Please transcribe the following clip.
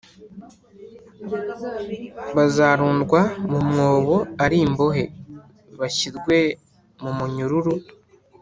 Bazarundwa mu mwobo ari imbohe, bashyirwe mu munyururu,